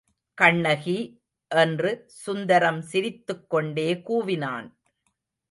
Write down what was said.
கண்ணகி! என்று சுந்தரம் சிரித்துக்கொண்டே கூவினான்.